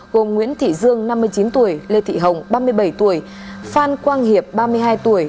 gồm nguyễn thị dương năm mươi chín tuổi lê thị hồng ba mươi bảy tuổi phan quang hiệp ba mươi hai tuổi